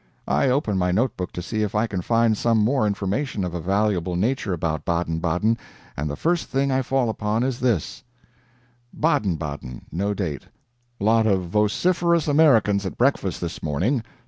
I open my note book to see if I can find some more information of a valuable nature about Baden Baden, and the first thing I fall upon is this: "BADEN BADEN (no date). Lot of vociferous Americans at breakfast this morning.